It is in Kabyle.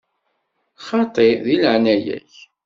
Xaṭi, deg leɛnaya-k!